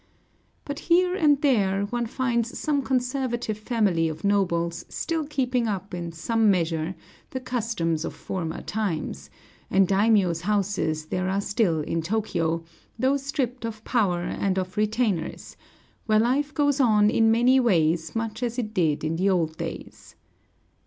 But here and there one finds some conservative family of nobles still keeping up in some measure the customs of former times; and daimiōs' houses there are still in Tōkyō, though stripped of power and of retainers, where life goes on in many ways much as it did in the old days.